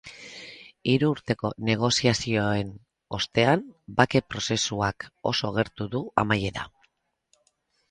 Hiru urteko negoziazioen ostean, bake-prozesuak oso gertu du amaiera.